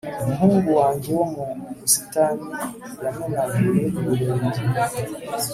umuhungu wanjye wo mu busitani yamenaguye ibirenge